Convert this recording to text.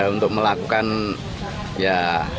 untuk melakukan ya